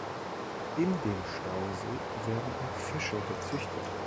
In dem Stausee werden auch Fische gezüchtet.